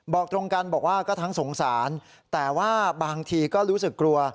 บอกตรงกันบอกว่าก็ทั้งสงสารแต่ว่าบางทีก็รู้สึกกลัว